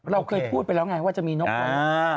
เราเคยพูดไปแล้วไงว่าจะมีนกในเนื้อกระดาษ